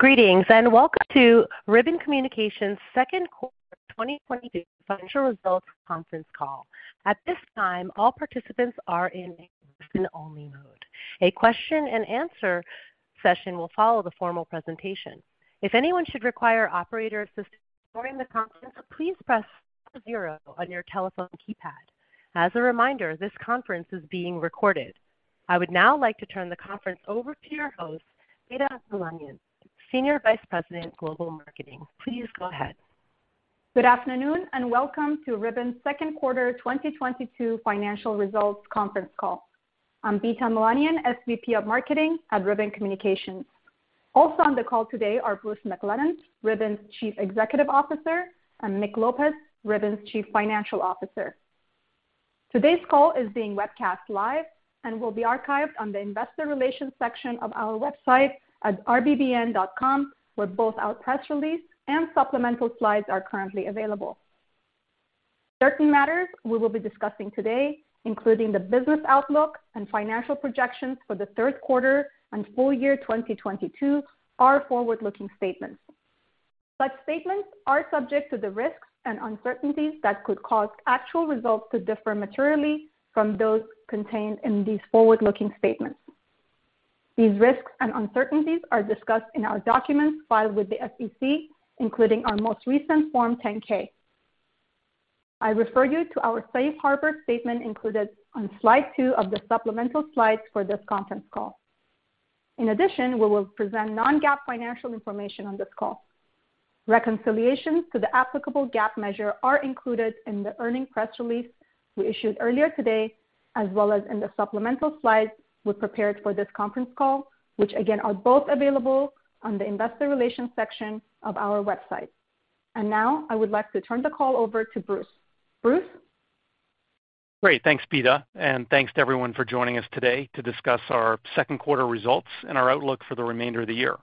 Greetings. Welcome to Ribbon Communications' second quarter 2022 financial results conference call. At this time, all participants are in listen-only mode. A question and answer session will follow the formal presentation. If anyone should require operator assistance during the conference, please press zero on your telephone keypad. As a reminder, this conference is being recorded. I would now like to turn the conference over to your host, Bita Milanian, Senior Vice President, Global Marketing. Please go ahead. Good afternoon, and welcome to Ribbon's second quarter 2022 financial results conference call. I'm Bita Milanian, SVP of Marketing at Ribbon Communications. Also on the call today are Bruce McClelland, Ribbon's Chief Executive Officer, and Mick Lopez, Ribbon's Chief Financial Officer. Today's call is being webcast live and will be archived on the investor relations section of our website at rbbn.com, where both our press release and supplemental slides are currently available. Certain matters we will be discussing today, including the business outlook and financial projections for the third quarter and full year 2022 are forward-looking statements. Such statements are subject to the risks and uncertainties that could cause actual results to differ materially from those contained in these forward-looking statements. These risks and uncertainties are discussed in our documents filed with the SEC, including our most recent Form 10-K. I refer you to our safe harbor statement included on slide two of the supplemental slides for this conference call. In addition, we will present non-GAAP financial information on this call. Reconciliations to the applicable GAAP measure are included in the earnings press release we issued earlier today, as well as in the supplemental slides we prepared for this conference call, which again are both available on the investor relations section of our website. Now I would like to turn the call over to Bruce. Bruce? Great. Thanks, Bita, and thanks to everyone for joining us today to discuss our second quarter results and our outlook for the remainder of the year.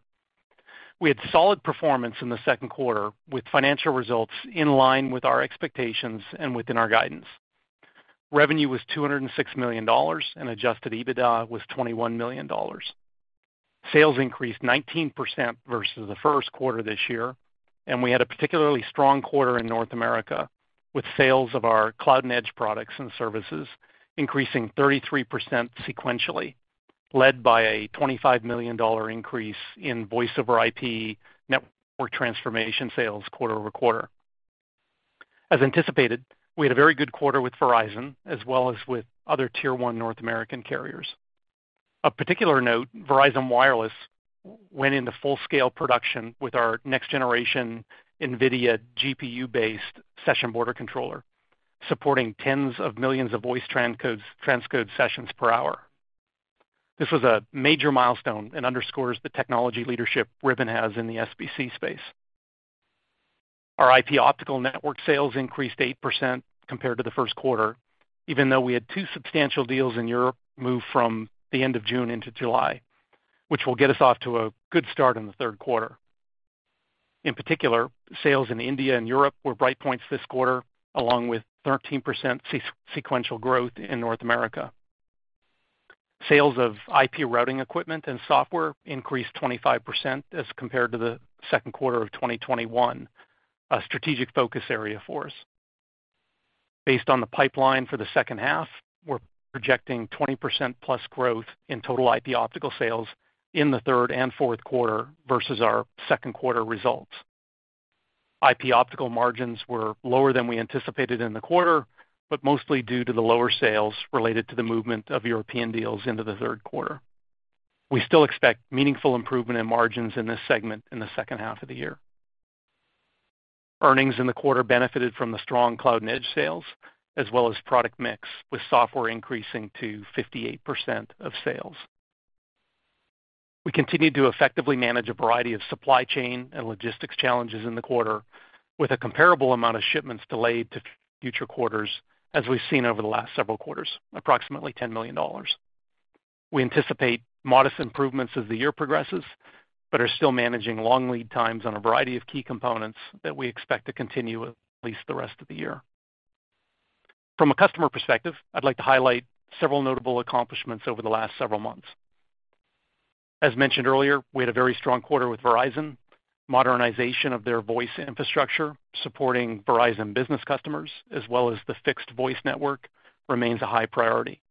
We had solid performance in the second quarter, with financial results in line with our expectations and within our guidance. Revenue was $206 million, and adjusted EBITDA was $21 million. Sales increased 19% versus the first quarter this year, and we had a particularly strong quarter in North America with sales of our Cloud and Edge products and services increasing 33% sequentially, led by a $25 million increase in Voice over IP network transformation sales quarter over quarter. As anticipated, we had a very good quarter with Verizon as well as with other tier one North American carriers. Of particular note, Verizon Wireless went into full scale production with our next generation NVIDIA GPU-based session border controller, supporting tens of millions of voice transcode, transcoded sessions per hour. This was a major milestone and underscores the technology leadership Ribbon has in the SBC space. Our IP Optical Networks sales increased 8% compared to the first quarter, even though we had two substantial deals in Europe move from the end of June into July, which will get us off to a good start in the third quarter. In particular, sales in India and Europe were bright points this quarter, along with 13% sequential growth in North America. Sales of IP routing equipment and software increased 25% as compared to the second quarter of 2021, a strategic focus area for us. Based on the pipeline for the second half, we're projecting 20%+ growth in total IP optical sales in the third and fourth quarter versus our second quarter results. IP optical margins were lower than we anticipated in the quarter, but mostly due to the lower sales related to the movement of European deals into the third quarter. We still expect meaningful improvement in margins in this segment in the second half of the year. Earnings in the quarter benefited from the strong Cloud and Edge sales, as well as product mix, with software increasing to 58% of sales. We continued to effectively manage a variety of supply chain and logistics challenges in the quarter with a comparable amount of shipments delayed to future quarters, as we've seen over the last several quarters, approximately $10 million. We anticipate modest improvements as the year progresses, but are still managing long lead times on a variety of key components that we expect to continue at least the rest of the year. From a customer perspective, I'd like to highlight several notable accomplishments over the last several months. As mentioned earlier, we had a very strong quarter with Verizon. Modernization of their voice infrastructure, supporting Verizon business customers, as well as the fixed voice network remains a high priority.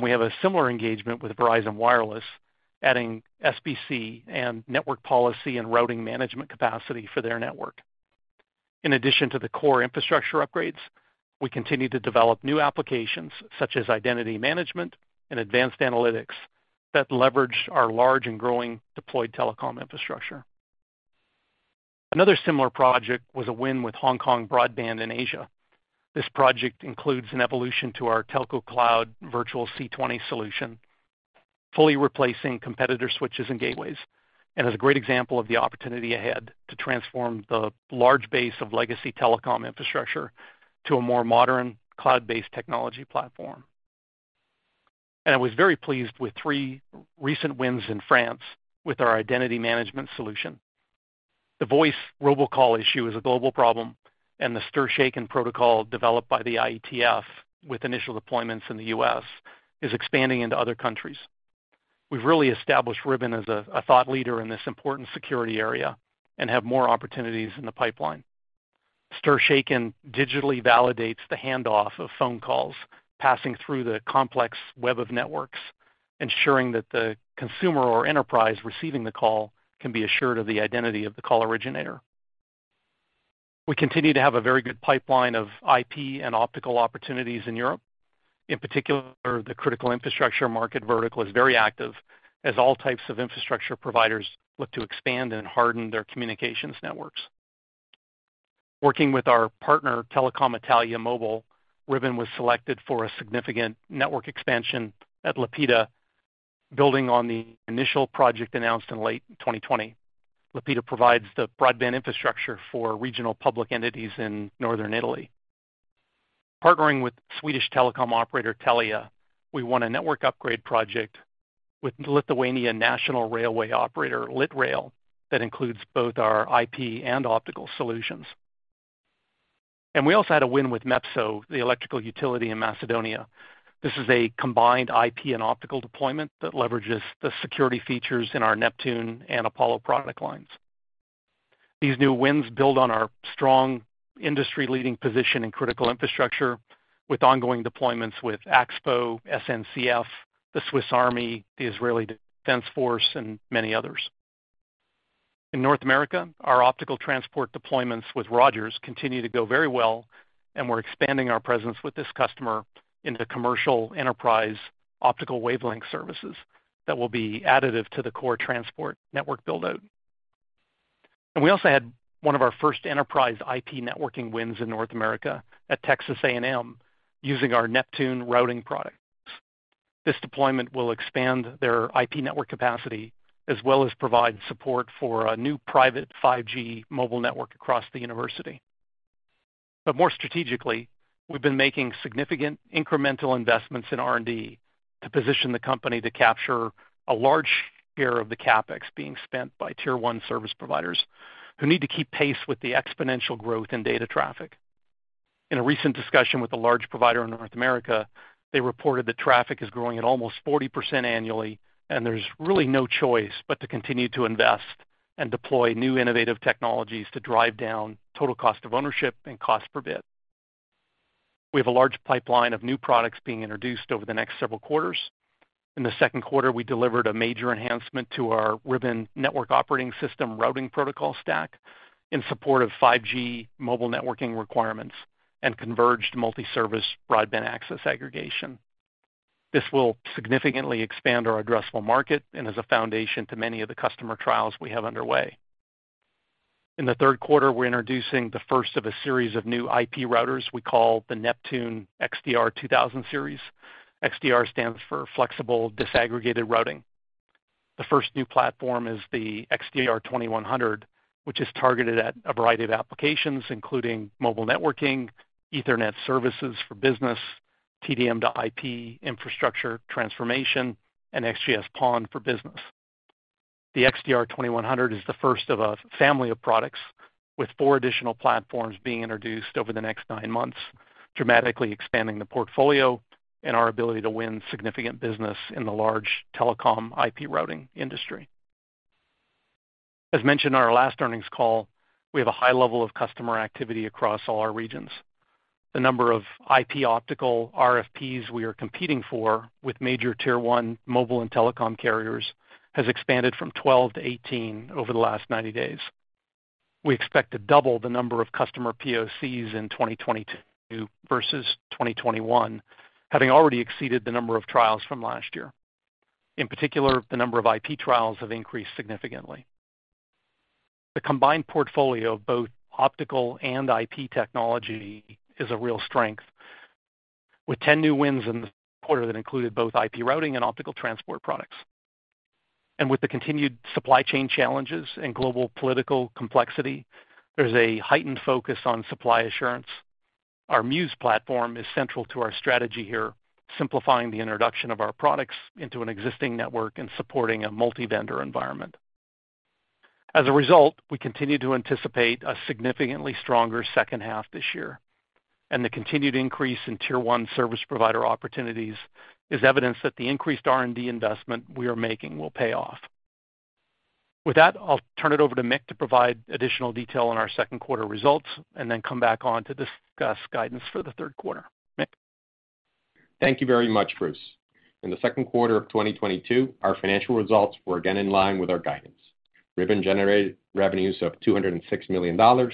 We have a similar engagement with Verizon Wireless, adding SBC and network policy and routing management capacity for their network. In addition to the core infrastructure upgrades, we continue to develop new applications such as identity management and advanced analytics that leverage our large and growing deployed telecom infrastructure. Another similar project was a win with Hong Kong Broadband in Asia. This project includes an evolution to our Telco Cloud Virtual C20 solution, fully replacing competitor switches and gateways, and is a great example of the opportunity ahead to transform the large base of legacy telecom infrastructure to a more modern cloud-based technology platform. I was very pleased with three recent wins in France with our identity management solution. The voice robocall issue is a global problem, and the STIR/SHAKEN protocol developed by the IETF with initial deployments in the U.S. is expanding into other countries. We've really established Ribbon as a thought leader in this important security area and have more opportunities in the pipeline. STIR/SHAKEN digitally validates the handoff of phone calls passing through the complex web of networks, ensuring that the consumer or enterprise receiving the call can be assured of the identity of the call originator. We continue to have a very good pipeline of IP and optical opportunities in Europe. In particular, the critical infrastructure market vertical is very active as all types of infrastructure providers look to expand and harden their communications networks. Working with our partner, Telecom Italia Mobile, Ribbon was selected for a significant network expansion at Lepida, building on the initial project announced in late 2020. Lepida provides the broadband infrastructure for regional public entities in northern Italy. Partnering with Swedish telecom operator Telia, we won a network upgrade project with Lithuanian National Railway operator Lithuanian Railways that includes both our IP and optical solutions. We also had a win with MEPSO, the electrical utility in North Macedonia. This is a combined IP and optical deployment that leverages the security features in our Neptune and Apollo product lines. These new wins build on our strong industry-leading position in critical infrastructure with ongoing deployments with Axpo, SNCF, the Swiss Army, the Israeli Defense Forces, and many others. In North America, our optical transport deployments with Rogers continue to go very well, and we're expanding our presence with this customer into commercial enterprise optical wavelength services that will be additive to the core transport network build-out. We also had one of our first enterprise IP networking wins in North America at Texas A&M using our Neptune routing products. This deployment will expand their IP network capacity, as well as provide support for a new private 5G mobile network across the university. More strategically, we've been making significant incremental investments in R&D to position the company to capture a large share of the CapEx being spent by tier one service providers who need to keep pace with the exponential growth in data traffic. In a recent discussion with a large provider in North America, they reported that traffic is growing at almost 40% annually, and there's really no choice but to continue to invest and deploy new innovative technologies to drive down total cost of ownership and cost per bit. We have a large pipeline of new products being introduced over the next several quarters. In the second quarter, we delivered a major enhancement to our Ribbon network operating system routing protocol stack in support of 5G mobile networking requirements and converged multi-service broadband access aggregation. This will significantly expand our addressable market and is a foundation to many of the customer trials we have underway. In the third quarter, we're introducing the first of a series of new IP routers we call the Neptune XDR2000 series. XDR stands for Flexible Disaggregated Routing. The first new platform is the XDR2100, which is targeted at a variety of applications, including mobile networking, Ethernet services for business, TDM to IP infrastructure transformation, and XGS-PON for business. The XDR2100 is the first of a family of products with four additional platforms being introduced over the next nine months, dramatically expanding the portfolio and our ability to win significant business in the large telecom IP routing industry. As mentioned in our last earnings call, we have a high level of customer activity across all our regions. The number of IP optical RFPs we are competing for with major tier one mobile and telecom carriers has expanded from 12 to 18 over the last 90 days. We expect to double the number of customer POCs in 2022 versus 2021, having already exceeded the number of trials from last year. In particular, the number of IP trials have increased significantly. The combined portfolio of both optical and IP technology is a real strength. With 10 new wins in the quarter that included both IP routing and optical transport products. With the continued supply chain challenges and global political complexity, there's a heightened focus on supply assurance. Our Muse platform is central to our strategy here, simplifying the introduction of our products into an existing network and supporting a multi-vendor environment. As a result, we continue to anticipate a significantly stronger second half this year, and the continued increase in tier one service provider opportunities is evidence that the increased R&D investment we are making will pay off. With that, I'll turn it over to Mick to provide additional detail on our second quarter results and then come back on to discuss guidance for the third quarter. Mick? Thank you very much, Bruce. In the second quarter of 2022, our financial results were again in line with our guidance. Ribbon generated revenues of $206 million,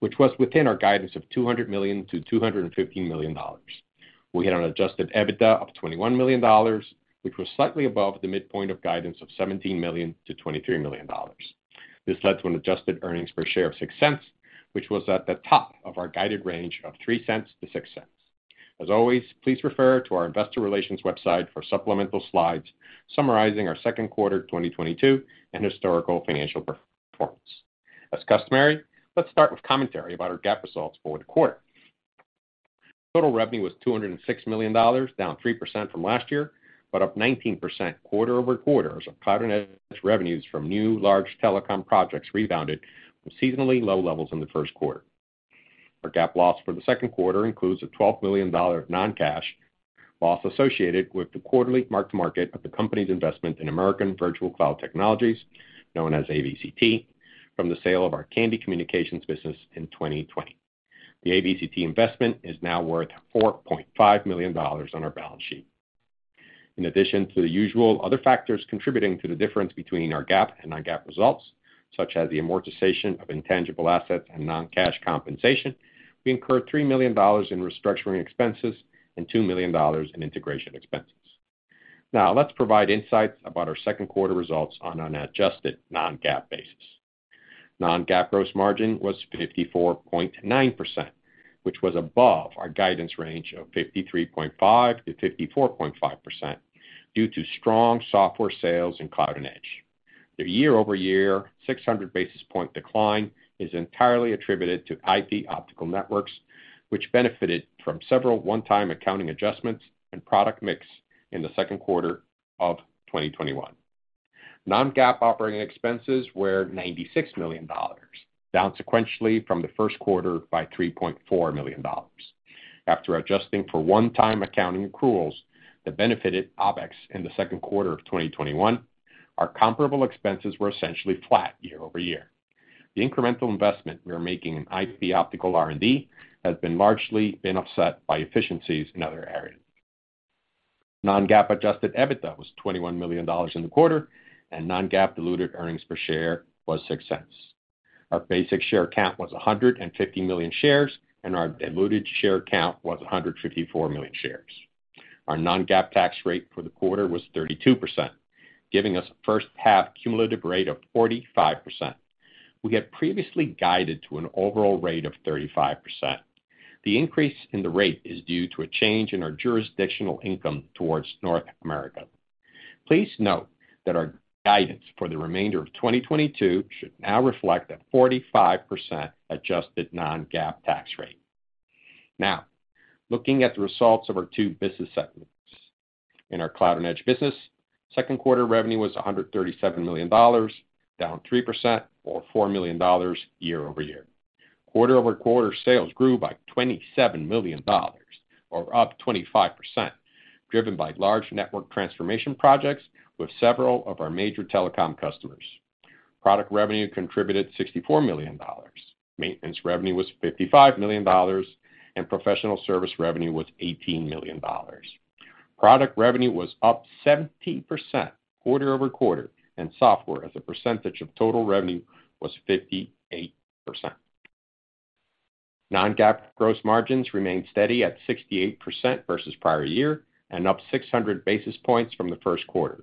which was within our guidance of $200 million-$215 million. We had an adjusted EBITDA of $21 million, which was slightly above the midpoint of guidance of $17 million-$23 million. This led to an adjusted earnings per share of $0.06, which was at the top of our guided range of $0.03-$0.06. As always, please refer to our investor relations website for supplemental slides summarizing our second quarter 2022 and historical financial performance. As customary, let's start with commentary about our GAAP results for the quarter. Total revenue was $206 million, down 3% from last year, but up 19% quarter-over-quarter as our Cloud and Edge revenues from new large telecom projects rebounded from seasonally low levels in the first quarter. Our GAAP loss for the second quarter includes a $12 million non-cash loss associated with the quarterly mark-to-market of the company's investment in American Virtual Cloud Technologies, known as AVCT, from the sale of our Kandy Communications business in 2020. The AVCT investment is now worth $4.5 million on our balance sheet. In addition to the usual other factors contributing to the difference between our GAAP and non-GAAP results, such as the amortization of intangible assets and non-cash compensation, we incurred $3 million in restructuring expenses and $2 million in integration expenses. Now, let's provide insights about our second quarter results on an adjusted non-GAAP basis. Non-GAAP gross margin was 54.9%, which was above our guidance range of 53.5%-54.5% due to strong software sales in Cloud and Edge. The year-over-year 600 basis points decline is entirely attributed to IP Optical Networks, which benefited from several one-time accounting adjustments and product mix in the second quarter of 2021. Non-GAAP operating expenses were $96 million, down sequentially from the first quarter by $3.4 million. After adjusting for one-time accounting accruals that benefited OpEx in the second quarter of 2021, our comparable expenses were essentially flat year-over-year. The incremental investment we are making in IP Optical R&D has been largely offset by efficiencies in other areas. Non-GAAP adjusted EBITDA was $21 million in the quarter, and non-GAAP diluted earnings per share was $0.06. Our basic share count was 150 million shares, and our diluted share count was 154 million shares. Our non-GAAP tax rate for the quarter was 32%, giving us a first half cumulative rate of 45%. We had previously guided to an overall rate of 35%. The increase in the rate is due to a change in our jurisdictional income towards North America. Please note that our guidance for the remainder of 2022 should now reflect a 45% adjusted non-GAAP tax rate. Now, looking at the results of our two business segments. In our Cloud and Edge business, second quarter revenue was $137 million, down 3% or $4 million year-over-year. Quarter-over-quarter sales grew by $27 million or up 25%, driven by large network transformation projects with several of our major telecom customers. Product revenue contributed $64 million. Maintenance revenue was $55 million, and professional service revenue was $18 million. Product revenue was up 17% quarter-over-quarter, and software as a percentage of total revenue was 58%. Non-GAAP gross margins remained steady at 68% versus prior year and up 600 basis points from the first quarter.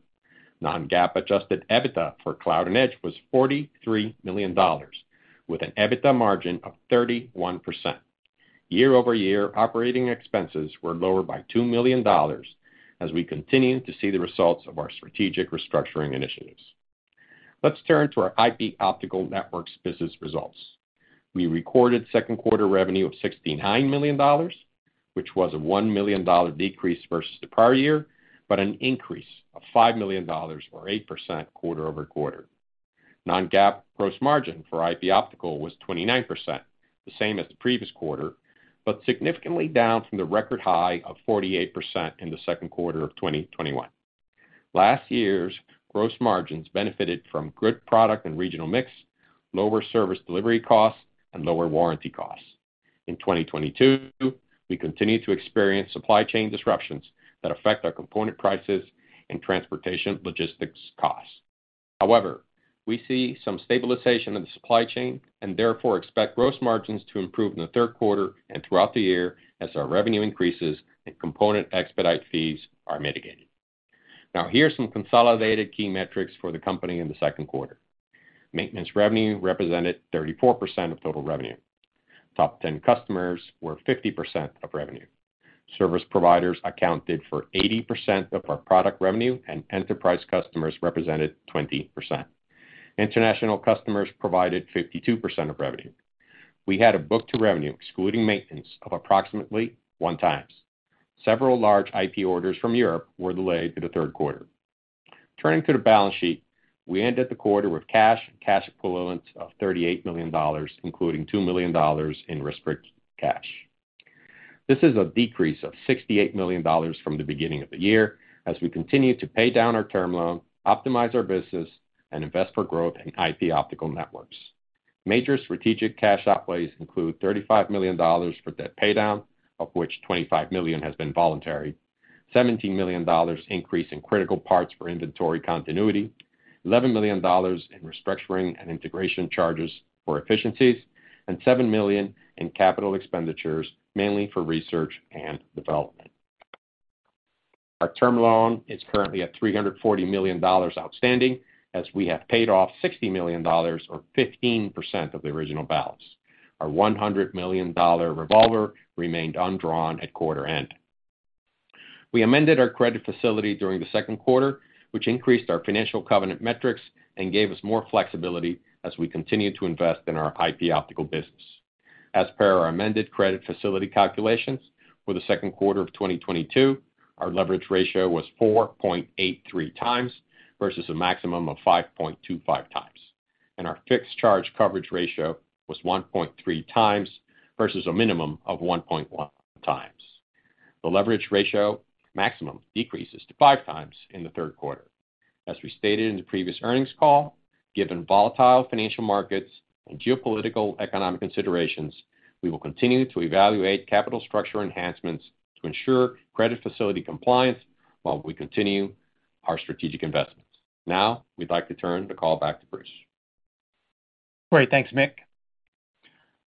Non-GAAP adjusted EBITDA for Cloud and Edge was $43 million, with an EBITDA margin of 31%. Year-over-year, operating expenses were lower by $2 million as we continue to see the results of our strategic restructuring initiatives. Let's turn to our IP Optical Networks business results. We recorded second quarter revenue of $69 million, which was a $1 million decrease versus the prior year, but an increase of $5 million or 8% quarter-over-quarter. Non-GAAP gross margin for IP Optical was 29%, the same as the previous quarter, but significantly down from the record high of 48% in the second quarter of 2021. Last year's gross margins benefited from good product and regional mix, lower service delivery costs, and lower warranty costs. In 2022, we continue to experience supply chain disruptions that affect our component prices and transportation logistics costs. However, we see some stabilization of the supply chain and therefore expect gross margins to improve in the third quarter and throughout the year as our revenue increases and component expedite fees are mitigated. Now here are some consolidated key metrics for the company in the second quarter. Maintenance revenue represented 34% of total revenue. Top 10 customers were 50% of revenue. Service providers accounted for 80% of our product revenue, and enterprise customers represented 20%. International customers provided 52% of revenue. We had a book to revenue excluding maintenance of approximately 1x. Several large IP orders from Europe were delayed to the third quarter. Turning to the balance sheet, we ended the quarter with cash and cash equivalents of $38 million, including $2 million in restricted cash. This is a decrease of $68 million from the beginning of the year as we continue to pay down our term loan, optimize our business, and invest for growth in IP Optical Networks. Major strategic cash outlays include $35 million for debt paydown, of which $25 million has been voluntary, $17 million increase in critical parts for inventory continuity, $11 million in restructuring and integration charges for efficiencies, and $7 million in capital expenditures, mainly for research and development. Our term loan is currently at $340 million outstanding as we have paid off $60 million or 15% of the original balance. Our $100 million revolver remained undrawn at quarter end. We amended our credit facility during the second quarter, which increased our financial covenant metrics and gave us more flexibility as we continue to invest in our IP Optical business. As per our amended credit facility calculations for the second quarter of 2022, our leverage ratio was 4.83x versus a maximum of 5.25x, and our fixed charge coverage ratio was 1.3x versus a minimum of 1.1x. The leverage ratio maximum decreases to 5x in the third quarter. We stated in the previous earnings call, given volatile financial markets and geopolitical economic considerations, we will continue to evaluate capital structure enhancements to ensure credit facility compliance while we continue our strategic investments. Now we'd like to turn the call back to Bruce. Great. Thanks, Mick.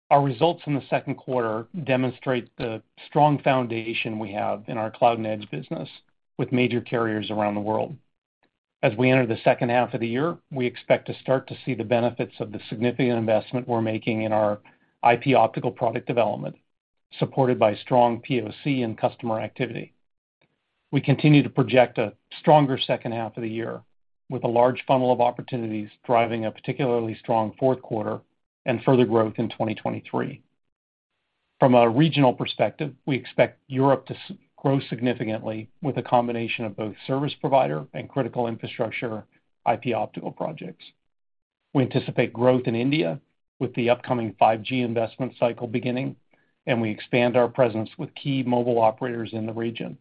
Our results in the second quarter demonstrate the strong foundation we have in our Cloud and Edge business with major carriers around the world. As we enter the second half of the year, we expect to start to see the benefits of the significant investment we're making in our IP Optical product development, supported by strong POC and customer activity. We continue to project a stronger second half of the year, with a large funnel of opportunities driving a particularly strong fourth quarter and further growth in 2023. From a regional perspective, we expect Europe to grow significantly with a combination of both service provider and critical infrastructure IP Optical projects. We anticipate growth in India with the upcoming 5G investment cycle beginning, and we expand our presence with key mobile operators in the region.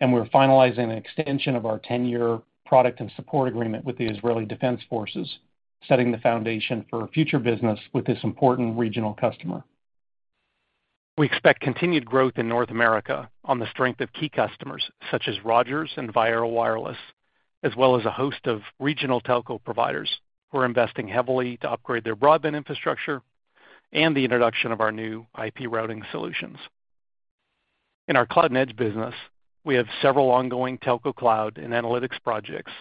We're finalizing an extension of our 10-year product and support agreement with the Israel Defense Forces, setting the foundation for future business with this important regional customer. We expect continued growth in North America on the strength of key customers such as Rogers and Verizon Wireless, as well as a host of regional telco providers who are investing heavily to upgrade their broadband infrastructure and the introduction of our new IP routing solutions. In our Cloud and Edge business, we have several ongoing telco cloud and analytics projects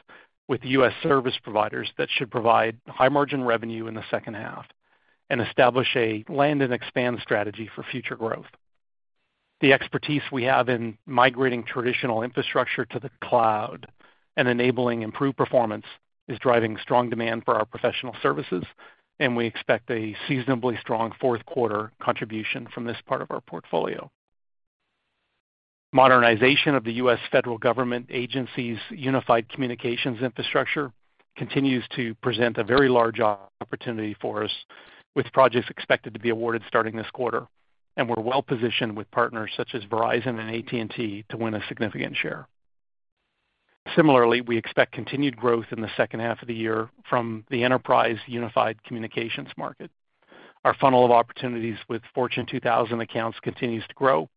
with U.S. service providers that should provide high-margin revenue in the second half and establish a land and expand strategy for future growth. The expertise we have in migrating traditional infrastructure to the cloud and enabling improved performance is driving strong demand for our professional services, and we expect a seasonally strong fourth quarter contribution from this part of our portfolio. Modernization of the U.S. federal government agency's unified communications infrastructure continues to present a very large opportunity for us, with projects expected to be awarded starting this quarter. We're well positioned with partners such as Verizon and AT&T to win a significant share. Similarly, we expect continued growth in the second half of the year from the enterprise unified communications market. Our funnel of opportunities with Fortune 2000 accounts continues to grow,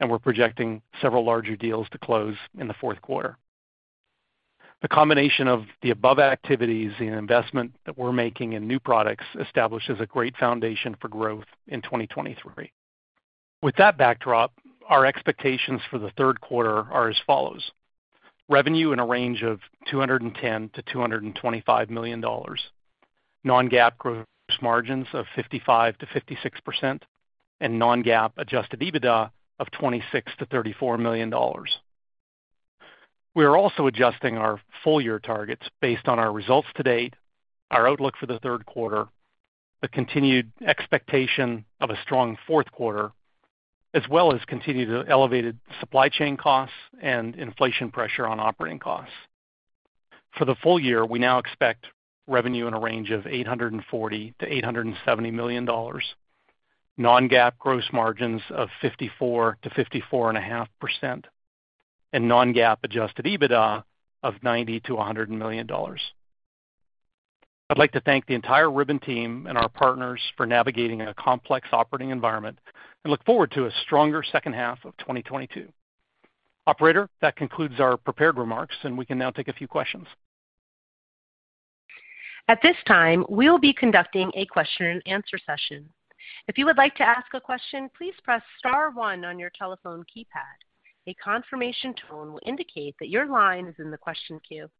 and we're projecting several larger deals to close in the fourth quarter. The combination of the above activities and investment that we're making in new products establishes a great foundation for growth in 2023. With that backdrop, our expectations for the third quarter are as follows. Revenue in a range of $210 million-$225 million. Non-GAAP gross margins of 55%-56% and non-GAAP adjusted EBITDA of $26 million-$34 million. We are also adjusting our full year targets based on our results to date, our outlook for the third quarter, the continued expectation of a strong fourth quarter, as well as continued elevated supply chain costs and inflation pressure on operating costs. For the full year, we now expect revenue in a range of $840 million-$870 million, non-GAAP gross margins of 54%-54.5%, and non-GAAP adjusted EBITDA of $90 million-$100 million. I'd like to thank the entire Ribbon team and our partners for navigating a complex operating environment and look forward to a stronger second half of 2022. Operator, that concludes our prepared remarks, and we can now take a few questions. At this time, we will be conducting a question and answer session. If you would like to ask a question, please press star one on your telephone keypad. A confirmation tone will indicate that your line is in the question queue.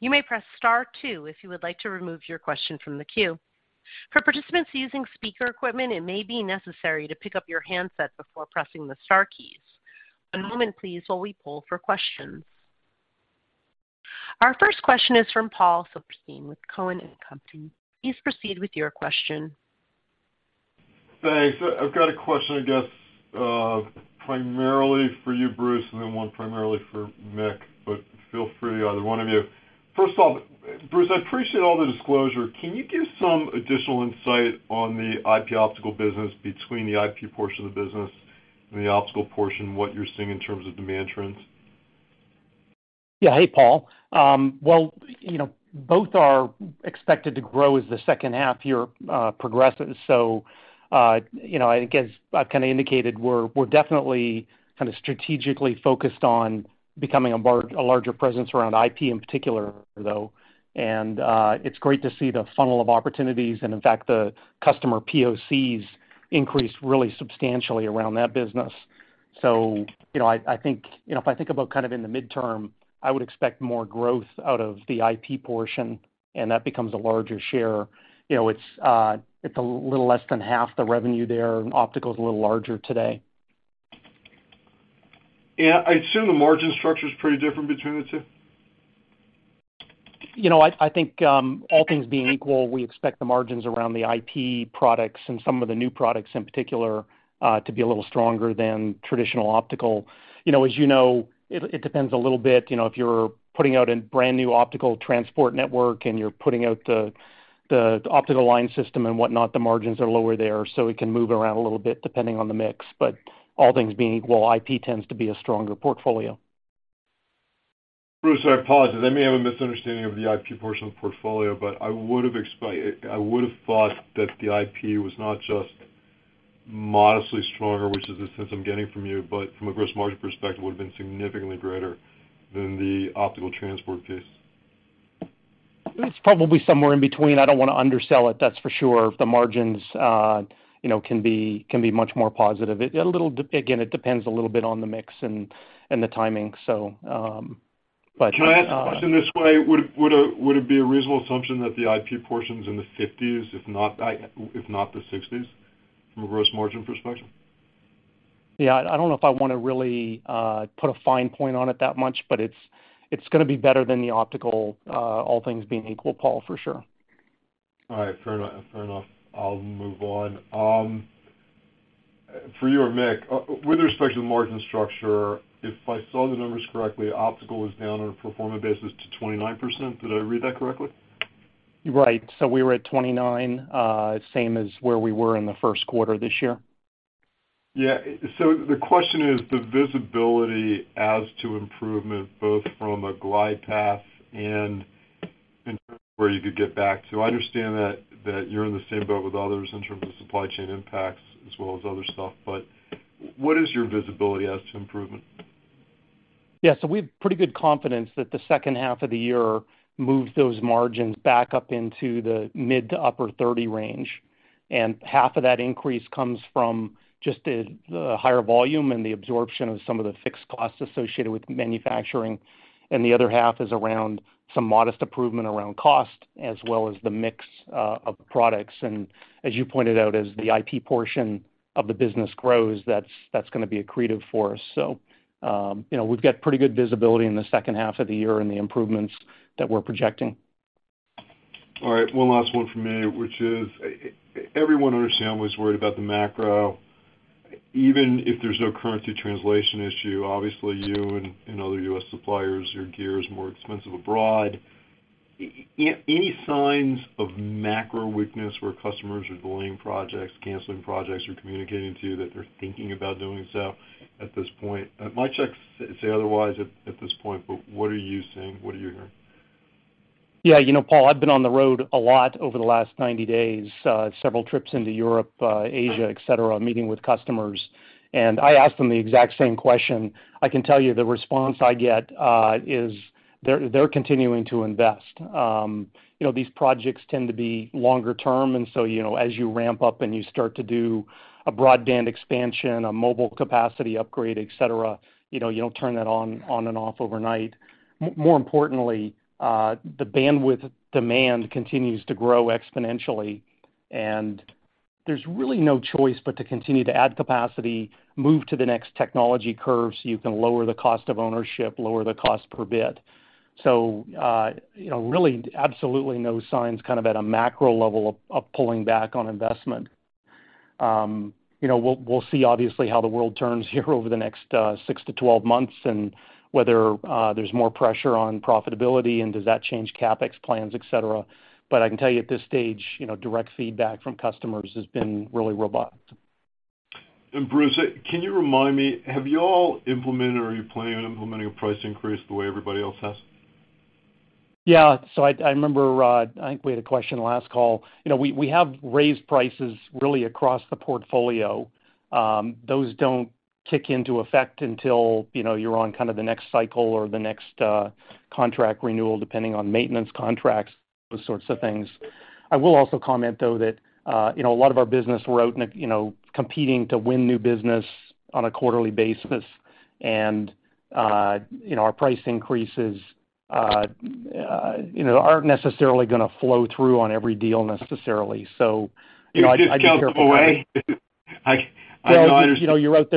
You may press star two if you would like to remove your question from the queue. For participants using speaker equipment, it may be necessary to pick up your handset before pressing the star keys. One moment, please, while we poll for questions. Our first question is from Paul Silverstein with Cowen and Company. Please proceed with your question. Thanks. I've got a question, I guess, primarily for you, Bruce, and then one primarily for Mick, but feel free either one of you. First of all, Bruce, I appreciate all the disclosure. Can you give some additional insight on the IP Optical business between the IP portion of the business and the optical portion, what you're seeing in terms of demand trends? Yeah. Hey, Paul. Well, you know, both are expected to grow as the second half year progresses. You know, I guess I've kind of indicated we're definitely kind of strategically focused on becoming a larger presence around IP in particular, though. It's great to see the funnel of opportunities, and in fact, the customer POCs increase really substantially around that business. You know, I think, you know, if I think about kind of in the midterm, I would expect more growth out of the IP portion, and that becomes a larger share. You know, it's a little less than half the revenue there, and optical is a little larger today. I assume the margin structure is pretty different between the two? You know, I think, all things being equal, we expect the margins around the IP products and some of the new products in particular, to be a little stronger than traditional optical. You know, as you know, it depends a little bit, you know, if you're putting out a brand new optical transport network, and you're putting out the optical line system and whatnot, the margins are lower there. It can move around a little bit depending on the mix, but all things being equal, IP tends to be a stronger portfolio. Bruce, I apologize. I may have a misunderstanding of the IP portion of the portfolio, but I would have thought that the IP was not just modestly stronger, which is the sense I'm getting from you, but from a gross margin perspective, would have been significantly greater than the optical transport case. It's probably somewhere in between. I don't wanna undersell it, that's for sure. The margins, you know, can be much more positive. It depends a little bit on the mix and the timing. Can I ask the question this way? Would it be a reasonable assumption that the IP portion's in the 50s, if not the 60s from a gross margin perspective? Yeah. I don't know if I wanna really put a fine point on it that much, but it's gonna be better than the optical, all things being equal, Paul, for sure. All right. Fair enough, fair enough. I'll move on. For you or Mick, with respect to the margin structure, if I saw the numbers correctly, optical was down on a pro forma basis to 29%. Did I read that correctly? Right. We were at 29%, same as where we were in the first quarter this year. Yeah. The question is the visibility as to improvement, both from a glide path and in where you could get back to. I understand that you're in the same boat with others in terms of supply chain impacts as well as other stuff, but what is your visibility as to improvement? Yeah. We have pretty good confidence that the second half of the year moves those margins back up into the mid- to upper-30% range. Half of that increase comes from just the higher volume and the absorption of some of the fixed costs associated with manufacturing. The other half is around some modest improvement around cost as well as the mix of the products. As you pointed out, as the IP portion of the business grows, that's gonna be accretive for us. You know, we've got pretty good visibility in the second half of the year and the improvements that we're projecting. All right, one last one from me, which is everyone understands what everyone's worried about the macro. Even if there's no currency translation issue, obviously, you and other U.S. suppliers, your gear is more expensive abroad. Yeah, any signs of macro weakness where customers are delaying projects, canceling projects or communicating to you that they're thinking about doing so at this point? My checks say otherwise at this point, but what are you seeing? What are you hearing? Yeah. You know, Paul, I've been on the road a lot over the last 90 days, several trips into Europe, Asia, et cetera, meeting with customers, and I asked them the exact same question. I can tell you the response I get is they're continuing to invest. You know, these projects tend to be longer term, and so, you know, as you ramp up and you start to do a broadband expansion, a mobile capacity upgrade, et cetera, you know, you don't turn that on and off overnight. More importantly, the bandwidth demand continues to grow exponentially, and there's really no choice but to continue to add capacity, move to the next technology curve so you can lower the cost of ownership, lower the cost per bit. You know, really absolutely no signs kind of at a macro level of pulling back on investment. You know, we'll see obviously how the world turns here over the next six to 12 months and whether there's more pressure on profitability and does that change CapEx plans, et cetera. I can tell you at this stage, you know, direct feedback from customers has been really robust. Bruce, can you remind me, have you all implemented or are you planning on implementing a price increase the way everybody else has? Yeah. I remember I think we had a question last call. We have raised prices really across the portfolio. Those don't kick into effect until you're on kind of the next cycle or the next contract renewal, depending on maintenance contracts, those sorts of things. I will also comment, though, that a lot of our business, we're out and competing to win new business on a quarterly basis. Our price increases aren't necessarily gonna flow through on every deal necessarily. I just. Is this helpful, Ray? I'm not under- Well, you know, yeah, you're out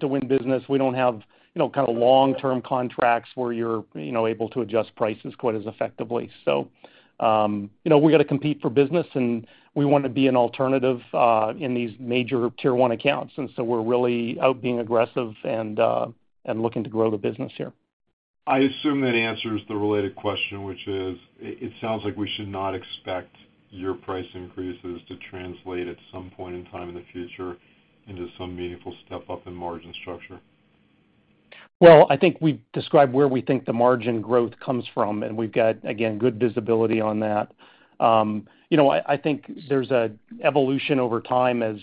to win business. We don't have, you know, kind of long-term contracts where you're, you know, able to adjust prices quite as effectively. You know, we got to compete for business, and we wanna be an alternative in these major tier one accounts. We're really out being aggressive and looking to grow the business here. I assume that answers the related question, which is, it sounds like we should not expect your price increases to translate at some point in time in the future into some meaningful step up in margin structure. Well, I think we described where we think the margin growth comes from, and we've got, again, good visibility on that. You know, I think there's an evolution over time as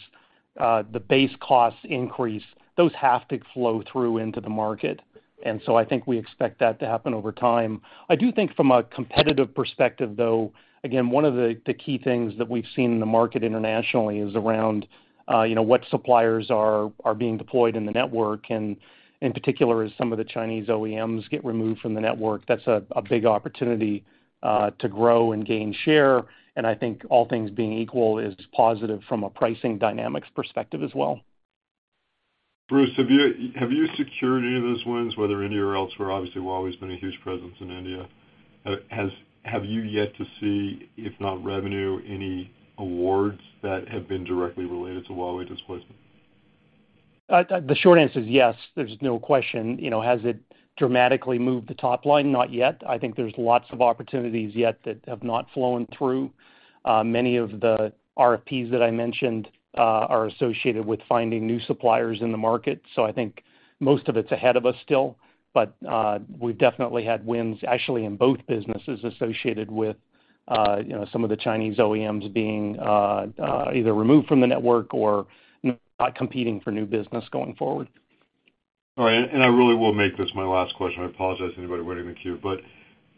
the base costs increase. Those have to flow through into the market. I think we expect that to happen over time. I do think from a competitive perspective, though, again, one of the key things that we've seen in the market internationally is around, you know, what suppliers are being deployed in the network. In particular, as some of the Chinese OEMs get removed from the network, that's a big opportunity to grow and gain share. I think all things being equal is positive from a pricing dynamics perspective as well. Bruce, have you secured any of those wins, whether India or elsewhere? Obviously, Huawei's been a huge presence in India. Have you yet to see, if not revenue, any awards that have been directly related to Huawei displacement? The short answer is yes. There's no question. You know, has it dramatically moved the top line? Not yet. I think there's lots of opportunities yet that have not flowed through. Many of the RFPs that I mentioned are associated with finding new suppliers in the market. I think most of it's ahead of us still. We've definitely had wins, actually in both businesses associated with you know, some of the Chinese OEMs being either removed from the network or not competing for new business going forward. All right. I really will make this my last question. I apologize to anybody waiting in the queue.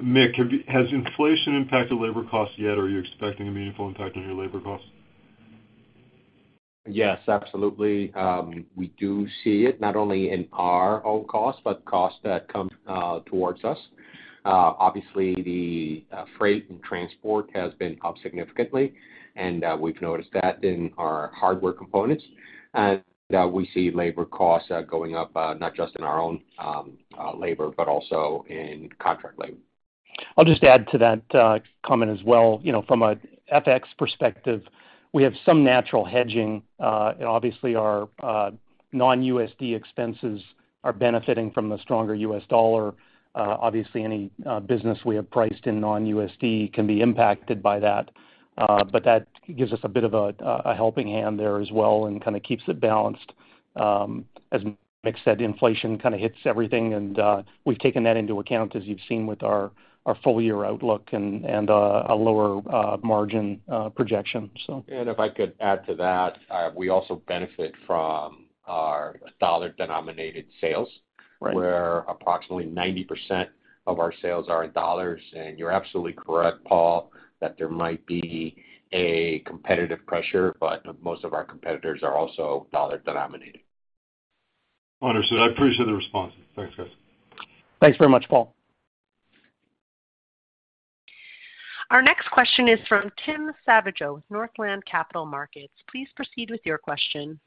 Mick, has inflation impacted labor costs yet? Are you expecting a meaningful impact on your labor costs? Yes, absolutely. We do see it not only in our own costs, but costs that come towards us. Obviously the freight and transport has been up significantly, and we've noticed that in our hardware components. We see labor costs going up, not just in our own labor, but also in contract labor. I'll just add to that, comment as well. You know, from a FX perspective, we have some natural hedging. Obviously our non-USD expenses are benefiting from the stronger U.S. dollar. Obviously any business we have priced in non-USD can be impacted by that. That gives us a bit of a helping hand there as well and kinda keeps it balanced. As Mick said, inflation kinda hits everything, and we've taken that into account as you've seen with our full year outlook and a lower margin projection. If I could add to that, we also benefit from our dollar-denominated sales. Right. where approximately 90% of our sales are in U.S. dollars. You're absolutely correct, Paul, that there might be a competitive pressure, but most of our competitors are also U.S. dollar-denominated. Understood. I appreciate the responses. Thanks, guys. Thanks very much, Paul. Our next question is from Tim Savageaux with Northland Capital Markets. Please proceed with your question.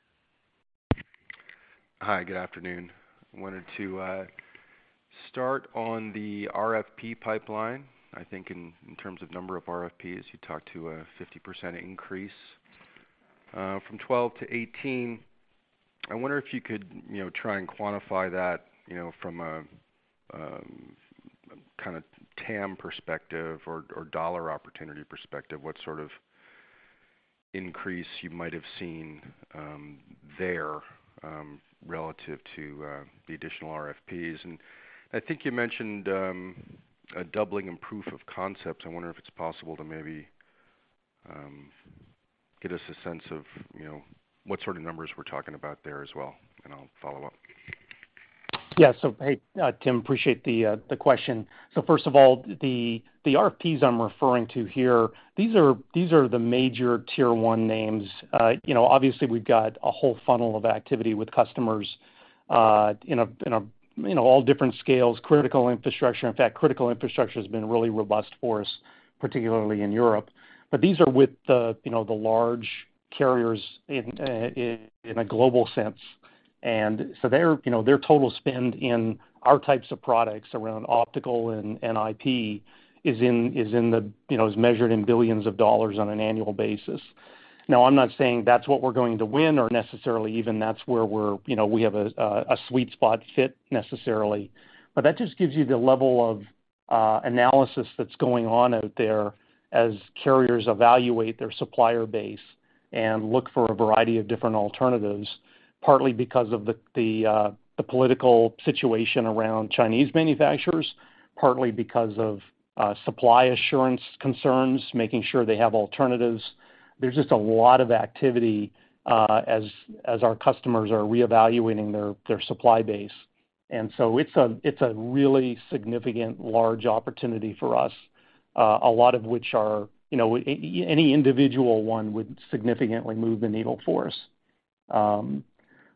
Hi, good afternoon. Wanted to start on the RFP pipeline, I think in terms of number of RFPs. You talked to a 50% increase from 12 to 18. I wonder if you could, you know, try and quantify that, you know, from a kinda TAM perspective or dollar opportunity perspective, what sort of increase you might have seen there relative to the additional RFPs. I think you mentioned a doubling in proof of concepts. I wonder if it's possible to maybe give us a sense of, you know, what sort of numbers we're talking about there as well, and I'll follow up. Yeah. Hey, Tim, appreciate the question. First of all, the RFPs I'm referring to here, these are the major tier one names. You know, obviously, we've got a whole funnel of activity with customers in all different scales, critical infrastructure. In fact, critical infrastructure has been really robust for us, particularly in Europe. These are with you know the large carriers in a global sense. You know, their total spend in our types of products around optical and IP is measured in billions of dollars on an annual basis. Now, I'm not saying that's what we're going to win or necessarily even that's where we're you know we have a sweet spot fit necessarily. That just gives you the level of analysis that's going on out there as carriers evaluate their supplier base and look for a variety of different alternatives, partly because of the political situation around Chinese manufacturers, partly because of supply assurance concerns, making sure they have alternatives. There's just a lot of activity as our customers are reevaluating their supply base. It's a really significant large opportunity for us, a lot of which are, you know, any individual one would significantly move the needle for us.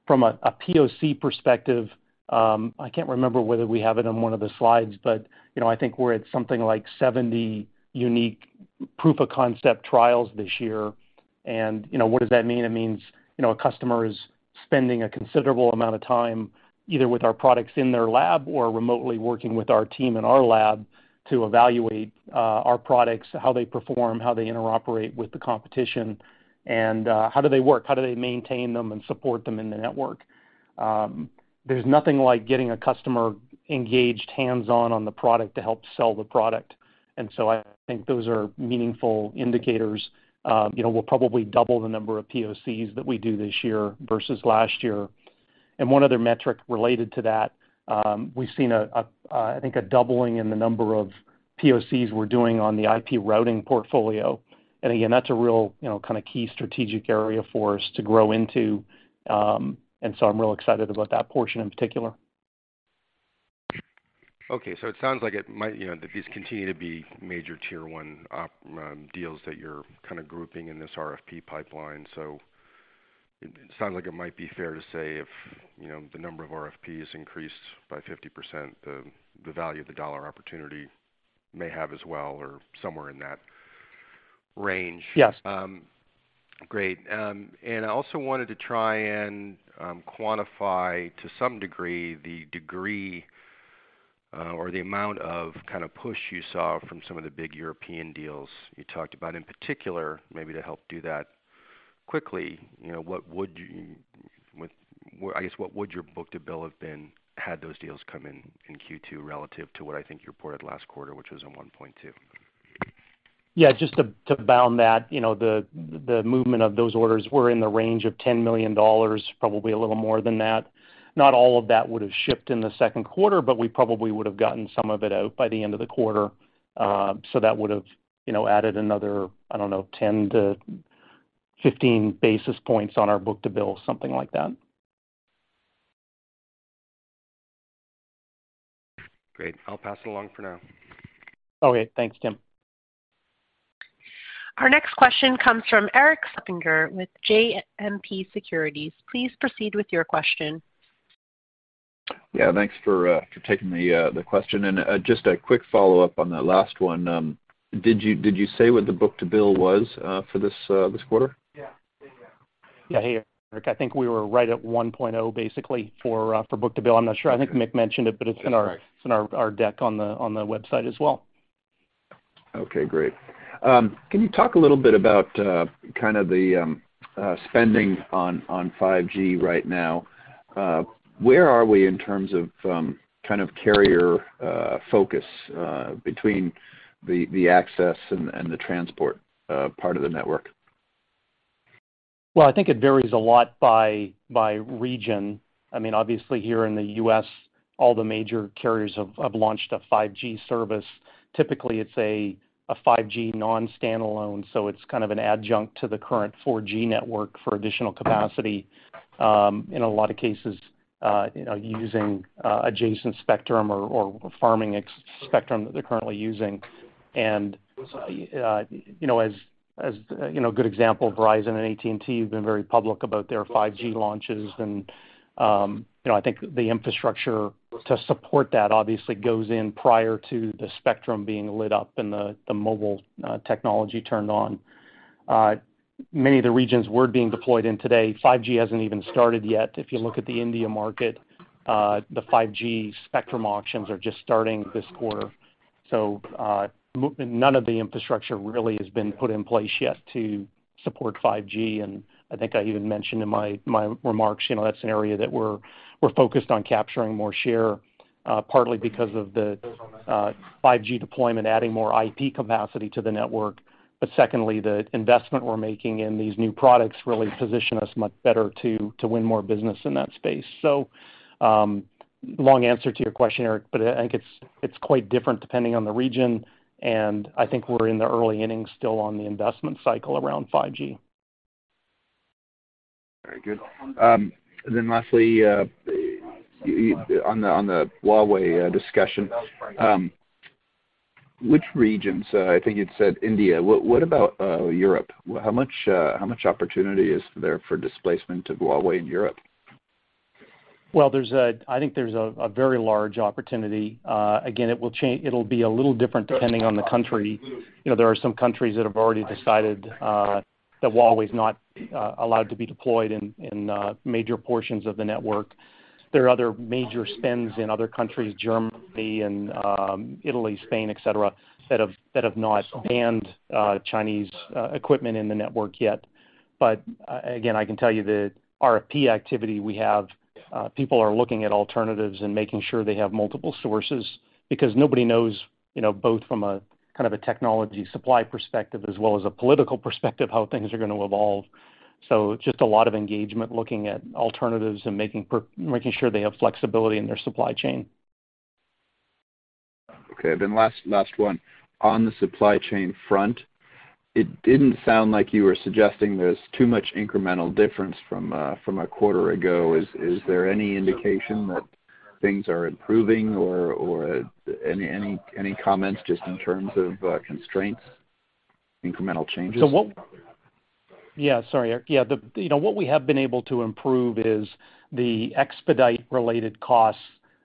From a POC perspective, I can't remember whether we have it on one of the slides, but, you know, I think we're at something like 70 unique proof of concept trials this year. You know, what does that mean? It means, you know, a customer is spending a considerable amount of time, either with our products in their lab or remotely working with our team in our lab to evaluate our products, how they perform, how they interoperate with the competition, and how do they work, how do they maintain them and support them in the network. There's nothing like getting a customer engaged hands-on on the product to help sell the product. I think those are meaningful indicators. You know, we'll probably double the number of POCs that we do this year versus last year. One other metric related to that, we've seen a, I think a doubling in the number of POCs we're doing on the IP routing portfolio. Again, that's a real, you know, kinda key strategic area for us to grow into. I'm real excited about that portion in particular. It sounds like it might, you know, these continue to be major tier one op deals that you're kinda grouping in this RFP pipeline. It sounds like it might be fair to say if, you know, the number of RFPs increased by 50%, the value of the dollar opportunity may have as well or somewhere in that range. Yes. Great. I also wanted to try and quantify to some degree, or the amount of kind of push you saw from some of the big European deals you talked about in particular, maybe to help do that quickly. You know, what would your book to bill have been had those deals come in in Q2 relative to what I think you reported last quarter, which was 1.2? Yeah, just to bound that, you know, the movement of those orders were in the range of $10 million, probably a little more than that. Not all of that would have shipped in the second quarter, but we probably would have gotten some of it out by the end of the quarter. That would've, you know, added another, I don't know, 10 basis points-15 basis points on our book to bill, something like that. Great. I'll pass it along for now. Okay. Thanks, Tim. Our next question comes from Eric Suppiger with JMP Securities. Please proceed with your question. Yeah. Thanks for taking the question. Just a quick follow-up on that last one. Did you say what the book to bill was for this quarter? Yeah. Hey, Eric. I think we were right at 1.0 basically for book to bill. I'm not sure. I think Mick mentioned it, but it's in our- That's right. It's in our deck on the website as well. Okay, great. Can you talk a little bit about kind of the spending on 5G right now? Where are we in terms of kind of carrier focus between the access and the transport part of the network? Well, I think it varies a lot by region. I mean, obviously here in the U.S., all the major carriers have launched a 5G service. Typically, it's a 5G non-standalone, so it's kind of an adjunct to the current 4G network for additional capacity, in a lot of cases, you know, using adjacent spectrum or farming excess spectrum that they're currently using. You know, a good example, Verizon and AT&T have been very public about their 5G launches. I think the infrastructure to support that obviously goes in prior to the spectrum being lit up and the mobile technology turned on. Many of the regions we're being deployed in today, 5G hasn't even started yet. If you look at the India market, the 5G spectrum auctions are just starting this quarter. None of the infrastructure really has been put in place yet to support 5G, and I think I even mentioned in my remarks, you know, that's an area that we're focused on capturing more share, partly because of the 5G deployment adding more IP capacity to the network. Secondly, the investment we're making in these new products really position us much better to win more business in that space. Long answer to your question, Eric, but I think it's quite different depending on the region, and I think we're in the early innings still on the investment cycle around 5G. Very good. Lastly, on the Huawei discussion, which regions, I think you'd said India, what about Europe? How much opportunity is there for displacement of Huawei in Europe? Well, I think there's a very large opportunity. Again, it'll be a little different depending on the country. You know, there are some countries that have already decided that Huawei's not allowed to be deployed in major portions of the network. There are other major spends in other countries, Germany and Italy, Spain, et cetera, that have not banned Chinese equipment in the network yet. But again, I can tell you the RFP activity we have, people are looking at alternatives and making sure they have multiple sources because nobody knows, you know, both from a kind of a technology supply perspective as well as a political perspective, how things are gonna evolve. Just a lot of engagement, looking at alternatives and making sure they have flexibility in their supply chain. Okay. Last one. On the supply chain front, it didn't sound like you were suggesting there's too much incremental difference from a quarter ago. Is there any indication that things are improving or any comments just in terms of constraints, incremental changes? Yeah, sorry, Eric. Yeah. You know, what we have been able to improve is the expedite-related costs,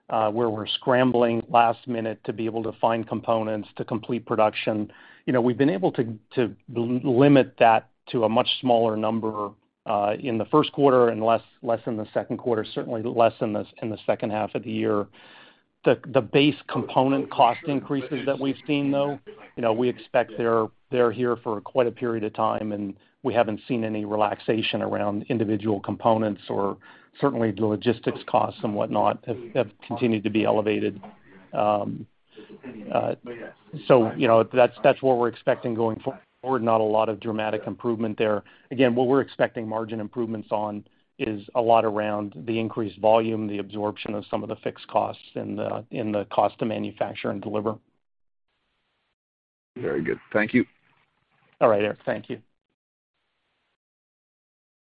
where we're scrambling last-minute to be able to find components to complete production. You know, we've been able to limit that to a much smaller number in the first quarter and less in the second quarter, certainly less in the second half of the year. The base component cost increases that we've seen, though, you know, we expect they're here for quite a period of time, and we haven't seen any relaxation around individual components or certainly the logistics costs and whatnot have continued to be elevated. You know, that's what we're expecting going forward, not a lot of dramatic improvement there. Again, what we're expecting margin improvements on is a lot around the increased volume, the absorption of some of the fixed costs, and in the cost to manufacture and deliver. Very good. Thank you. All right, Eric. Thank you.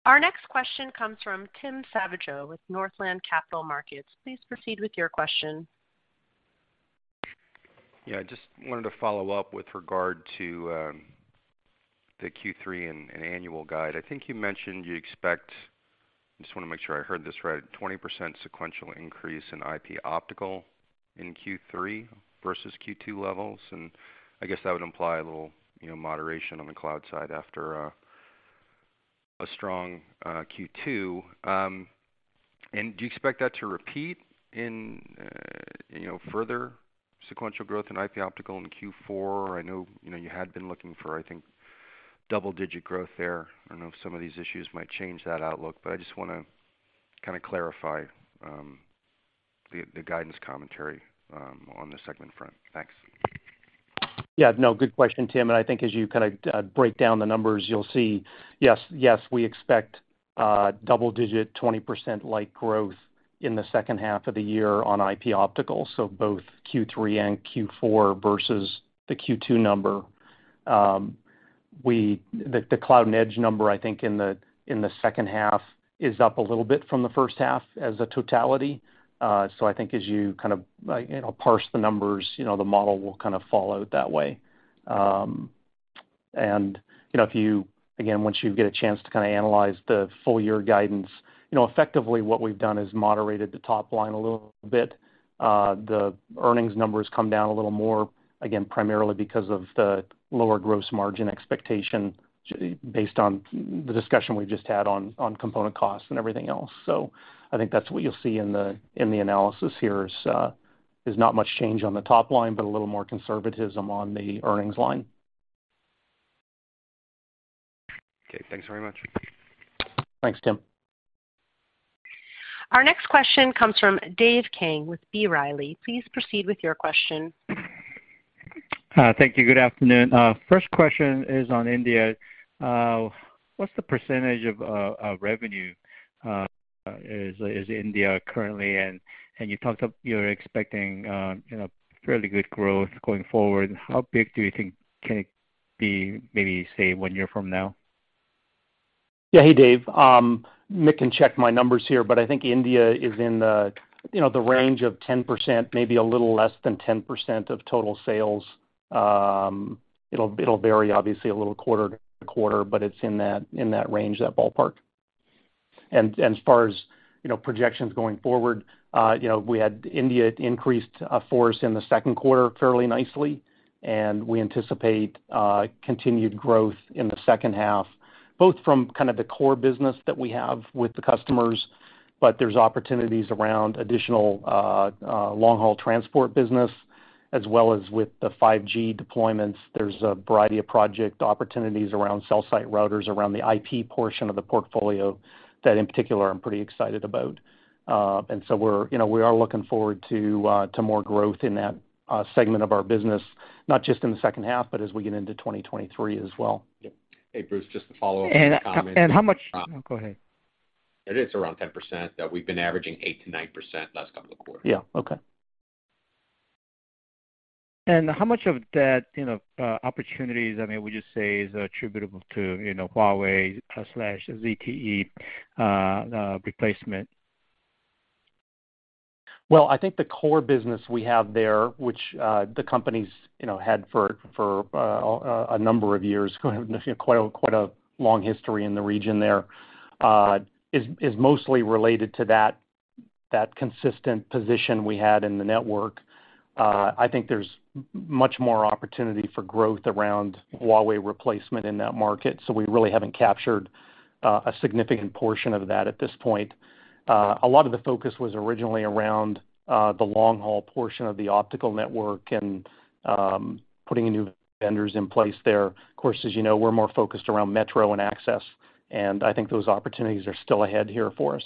Our next question comes from Tim Savageaux with Northland Capital Markets. Please proceed with your question. Yeah, I just wanted to follow up with regard to the Q3 and annual guide. I think you mentioned you expect. I just wanna make sure I heard this right. 20% sequential increase in IP Optical in Q3 versus Q2 levels, and I guess that would imply a little, you know, moderation on the cloud side after a strong Q2. And do you expect that to repeat in, you know, further sequential growth in IP Optical in Q4? I know, you know, you had been looking for, I think, double-digit growth there. I don't know if some of these issues might change that outlook, but I just wanna kinda clarify the guidance commentary on the segment front. Thanks. Yeah, no, good question, Tim. I think as you kinda break down the numbers, you'll see yes, we expect double-digit 20% like growth in the second half of the year on IP Optical, so both Q3 and Q4 versus the Q2 number. The Cloud and Edge number I think in the second half is up a little bit from the first half as a totality. I think as you kind of like, you know, parse the numbers, you know, the model will kind of fall out that way. You know, if you again once you get a chance to kinda analyze the full year guidance, you know, effectively what we've done is moderated the top line a little bit. The earnings numbers come down a little more, again, primarily because of the lower gross margin expectation based on the discussion we've just had on component costs and everything else. I think that's what you'll see in the analysis here is not much change on the top line, but a little more conservatism on the earnings line. Okay. Thanks very much. Thanks, Tim. Our next question comes from Dave Kang with B. Riley. Please proceed with your question. Thank you. Good afternoon. First question is on India. What's the percentage of revenue is India currently? You talked of you're expecting, you know, fairly good growth going forward. How big do you think can it be maybe, say, one year from now? Yeah. Hey, Dave. Mick can check my numbers here, but I think India is in the, you know, the range of 10%, maybe a little less than 10% of total sales. It'll vary obviously a little quarter to quarter, but it's in that range, that ballpark. As far as, you know, projections going forward, you know, we had an increase in India for us in the second quarter fairly nicely, and we anticipate continued growth in the second half, both from kind of the core business that we have with the customers. There's opportunities around additional long-haul transport business, as well as with the 5G deployments. There's a variety of project opportunities around cell site routers, around the IP portion of the portfolio that in particular I'm pretty excited about. We are looking forward to more growth in that segment of our business, not just in the second half, but as we get into 2023 as well. Yeah. Hey, Bruce, just to follow up on that comment. Oh, go ahead. It is around 10%. We've been averaging 8%-9% last couple of quarters. Yeah. Okay. How much of that, you know, opportunities, I mean, would you say is attributable to, you know, Huawei/ZTE replacement? Well, I think the core business we have there, which, the company's, you know, had for a number of years, quite a long history in the region there, is mostly related to that consistent position we had in the network. I think there's much more opportunity for growth around Huawei replacement in that market, so we really haven't captured a significant portion of that at this point. A lot of the focus was originally around the long-haul portion of the optical network and putting new vendors in place there. Of course, as you know, we're more focused around metro and access, and I think those opportunities are still ahead here for us.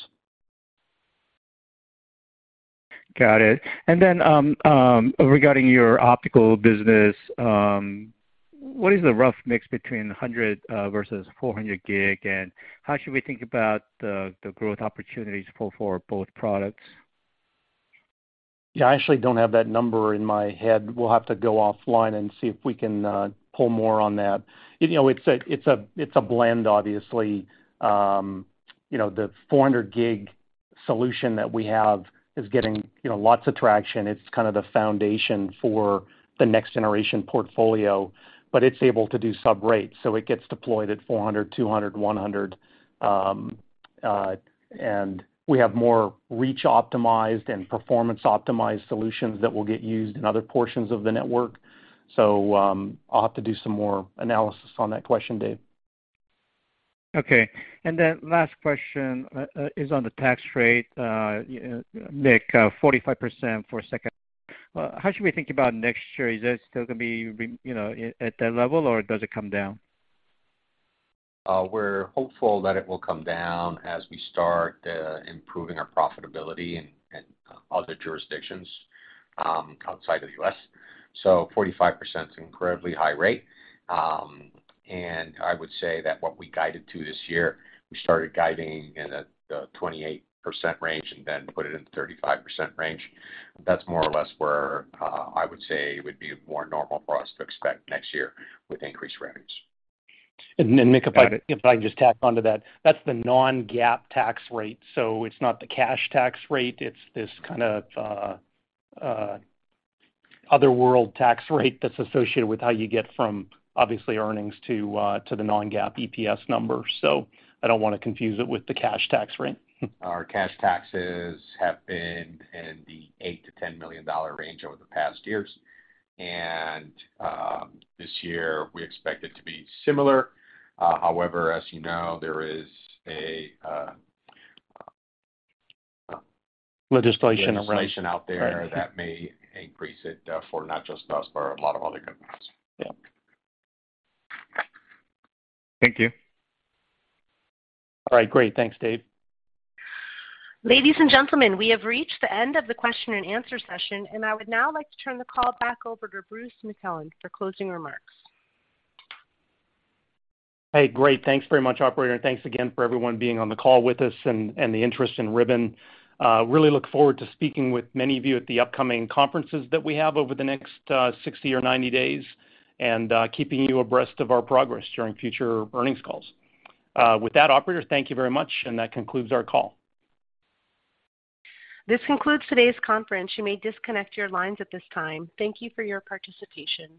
Got it. Regarding your optical business, what is the rough mix between 100 gig versus 400 gig, and how should we think about the growth opportunities for both products? Yeah, I actually don't have that number in my head. We'll have to go offline and see if we can pull more on that. You know, it's a blend, obviously. You know, the 400 gig solution that we have is getting lots of traction. It's kind of the foundation for the next generation portfolio, but it's able to do subrate, so it gets deployed at 400 gig, 200 gig, 100 gig. And we have more reach-optimized and performance-optimized solutions that will get used in other portions of the network. So, I'll have to do some more analysis on that question, Dave. Okay. Last question is on the tax rate. Mick, 45% for a second. How should we think about next year? Is that still gonna be, you know, at that level, or does it come down? We're hopeful that it will come down as we start improving our profitability in other jurisdictions outside the U.S. 45% is an incredibly high rate. I would say that what we guided to this year, we started guiding in the 28% range and then put it in 35% range. That's more or less where I would say it would be more normal for us to expect next year with increased revenues. Mick, if I can just tack onto that. That's the non-GAAP tax rate. So it's not the cash tax rate. It's this kind of other world tax rate that's associated with how you get from obviously earnings to the non-GAAP EPS number. So I don't wanna confuse it with the cash tax rate. Our cash taxes have been in the $8 million-$10 million range over the past years. This year we expect it to be similar. However, as you know, there is a. Legislation around- Legislation out there that may increase it, for not just us, but a lot of other companies. Yeah. Thank you. All right. Great. Thanks, Dave. Ladies and gentlemen, we have reached the end of the question and answer session, and I would now like to turn the call back over to Bruce McClelland for closing remarks. Hey, great. Thanks very much, operator, and thanks again for everyone being on the call with us and the interest in Ribbon. Really look forward to speaking with many of you at the upcoming conferences that we have over the next 60 or 90 days and keeping you abreast of our progress during future earnings calls. With that, operator, thank you very much, and that concludes our call. This concludes today's conference. You may disconnect your lines at this time. Thank you for your participation.